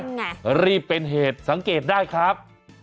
ไงรีบเป็นเหตุสังเกตได้ครับ